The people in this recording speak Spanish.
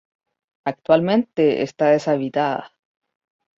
Actualmente está deshabitada.